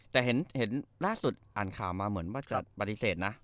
แต่เห็นล่าสุดอ่านข่าวมาเหมือนว่าจะปฏิเสธนะ